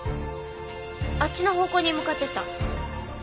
あっちの方向に向かっていった。